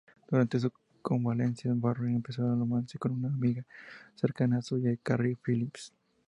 Durante su convalecencia, Warren empezó un romance con una amiga cercana suya, Carrie Phillips.